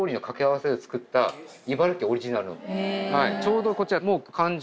ちょうどこちら。